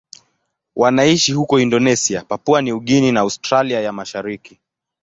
Wanaishi huko Indonesia, Papua New Guinea na Australia ya Mashariki.